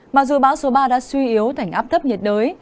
mặc dù bão số ba đã suy yếu thành áp thấp nhiệt đới